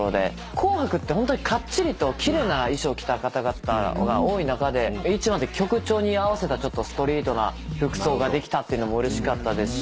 『紅白』ってホントにかっちりと奇麗な衣装を着た方々が多い中で『ｉｃｈｉｂａｎ』って曲調に合わせたちょっとストリートな服装ができたっていうのもうれしかったですし。